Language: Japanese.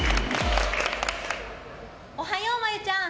おはよう、まゆちゃん。